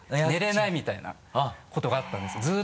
寝れないみたいなことがあったんですよ。